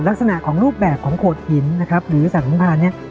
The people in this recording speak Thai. ลักษณะของรูปแบบของโขดหินนะครับหรือสัตว์น้ำพานเนี่ย